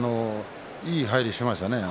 いい入りをしましたね